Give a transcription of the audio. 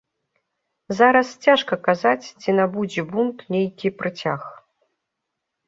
Зараз цяжка казаць, ці набудзе бунт нейкі працяг.